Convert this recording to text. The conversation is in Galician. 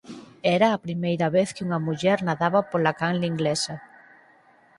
Era a primeira vez que unha muller nadaba pola canle inglesa.